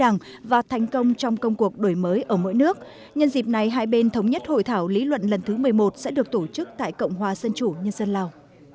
nhân dịp này hai bên thống nhất hội thảo lý luận lần thứ một mươi một sẽ được tổ chức tại cộng hòa dân chủ nhân dân lào